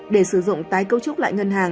để sử dụng tái cấu trúc lại ngân hàng